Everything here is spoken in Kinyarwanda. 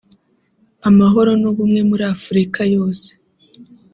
Amahoro n’ubumwe muri Afurika yose